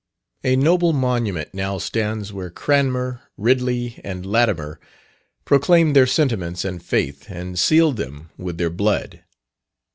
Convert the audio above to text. A noble monument now stands where Cranmer, Ridley, and Latimer, proclaimed their sentiments and faith, and sealed them with their blood.